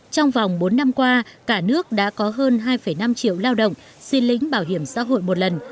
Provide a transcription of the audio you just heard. trong vòng bốn năm qua cả nước đã có hơn hai năm triệu lao động xin lĩnh bảo hiểm xã hội một lần